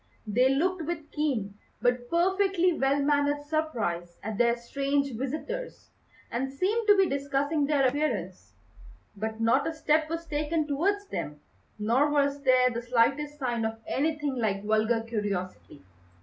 They looked with keen, but perfectly well mannered surprise at their strange visitors, and seemed to be discussing their appearance; but not a step was taken towards them, nor was there the slightest sign of anything like vulgar curiosity.